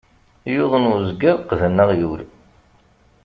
Yuḍen uzger, qqden aɣyul.